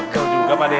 begul juga pak deh